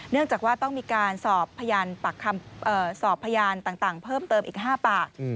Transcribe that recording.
จากว่าต้องมีการสอบพยานต่างเพิ่มเติมอีก๕ปาก